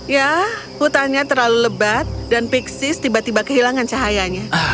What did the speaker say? ya hutannya terlalu lebat dan pixis tiba tiba kehilangan cahayanya